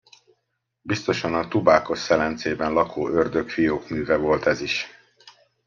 Biztosan a tubákosszelencében lakó ördögfiók műve volt ez is.